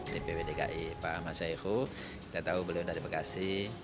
dpw dki pak ahmad saihu kita tahu beliau dari bekasi